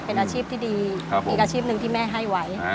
เป็นอาชีพที่ดีมีอาชีพหนึ่งที่แม่ให้ไว้